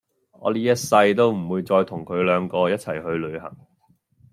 我哩一世都唔會再同佢兩個一齊去旅行